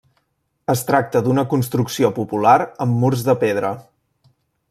Es tracta d'una construcció popular amb murs de pedra.